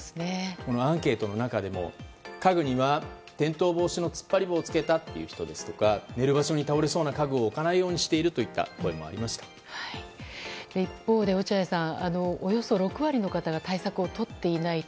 このアンケートの中でも家具には転倒防止の突っ張り棒をつけたという人であったり寝る場所に倒れそうな家具を置かないようにしているという一方で、落合さんおよそ６割の方が対策をとっていないと。